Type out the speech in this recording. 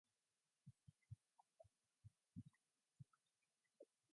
Steuben and Duportail submitted their own proposals to Congress for consideration.